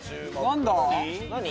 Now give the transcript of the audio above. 何だ？